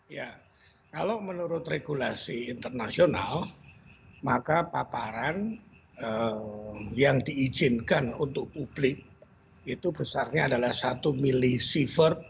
ya kalau menurut regulasi internasional maka paparan yang diizinkan untuk publik itu besarnya adalah satu milisievert